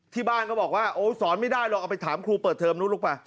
ที่บ้านก็บอกว่าโอ้สอนไม่ได้หรอกเอาไปถามครูเปิดเทอมนู้นลูกป่ะ